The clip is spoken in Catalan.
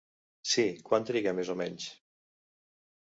Sí, quant triga més o menys?